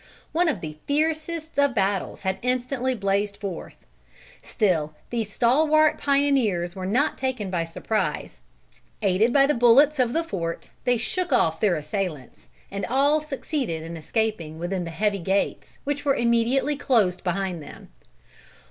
One of the fiercest of battles had instantly blazed forth. Still these stalwart pioneers were not taken by surprise. Aided by the bullets of the fort, they shook off their assailants, and all succeeded in escaping within the heavy gates, which were immediately closed behind them.